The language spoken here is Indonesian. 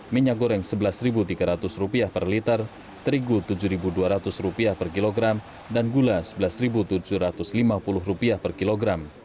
minyak goreng rp sebelas tiga ratus per liter terigu rp tujuh dua ratus per kilogram dan gula rp sebelas tujuh ratus lima puluh per kilogram